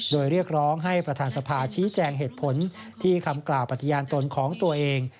โดยเรียกร้องให้ประธานสภาชี้แจงเหตุผลที่คำกล่าวปฏิญาณตนของตัวเอง